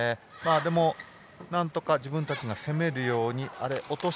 でも、何とか自分たちが攻めるように落とす。